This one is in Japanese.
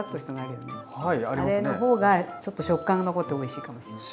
あれの方がちょっと食感が残っておいしいかもしれない。